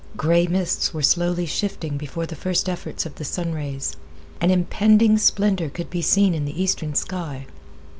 Gray mists were slowly shifting before the first efforts of the sun rays. An impending splendor could be seen in the eastern sky.